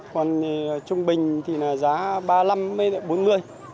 còn thì trung bình thì là giá ba mươi năm đến bốn mươi đồng